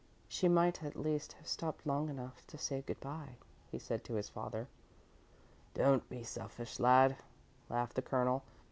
"She might at least have stopped long enough to say good bye," he said to his father. "Don't be selfish, lad," laughed the Colonel.